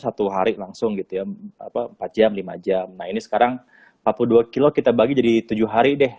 satu hari langsung gitu ya apa empat jam lima jam nah ini sekarang empat puluh dua kilo kita bagi jadi tujuh hari deh